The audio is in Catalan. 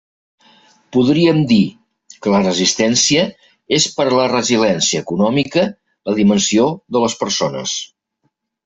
Podríem dir que la resistència és per a la resiliència econòmica, la dimensió de les persones.